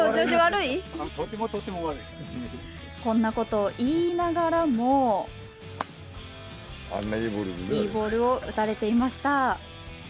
こんなこと言いながらもいいボールを打たれていました。